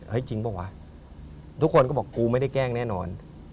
จริงเปล่าวะทุกคนก็บอกกูไม่ได้แกล้งแน่นอน